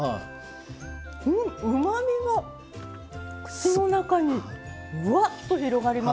うまみが口の中にうわっと広がりますね。